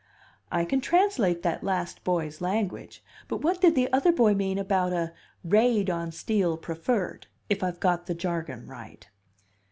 "I can translate that last boy's language, but what did the other boy mean about a 'raid on Steel Preferred' if I've got the jargon right?"